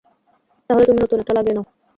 তাহলে নতুন একটা লাগিয়ে দাও।